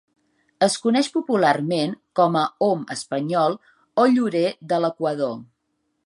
Es coneix popularment com a om espanyol o llorer de l'Equador.